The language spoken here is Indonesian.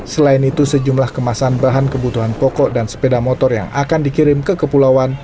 selain itu sejumlah kemasan bahan kebutuhan pokok dan sepeda motor yang akan dikirim ke kepulauan